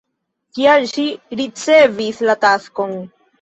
Kial ŝi ricevis la taskon?